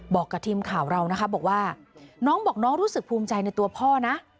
บอกกับทีมข่าวเรานะคะบอกว่าน้องบอกน้องรู้สึกภูมิใจในตัวพ่อนะ